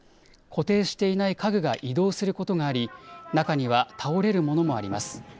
固定していない家具が移動することがあり、中には倒れるものもあります。